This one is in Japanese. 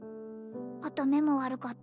あと目も悪かった